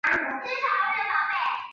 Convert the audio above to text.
前二项之未遂犯罚之。